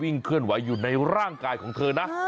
เคลื่อนไหวอยู่ในร่างกายของเธอนะ